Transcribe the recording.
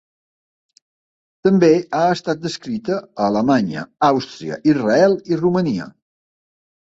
També ha estat descrita a Alemanya, Àustria, Israel i Romania.